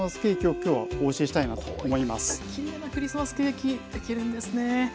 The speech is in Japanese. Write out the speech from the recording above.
こういったきれいなクリスマスケーキできるんですね。